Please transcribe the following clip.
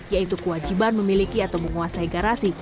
yaitu kewajiban memiliki atau menguasai garasi